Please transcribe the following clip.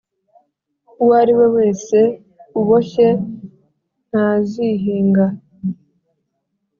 Uwariwe wese Uboshye ntazihinga!